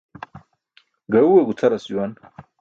Gaẏuwe gucʰars juwan.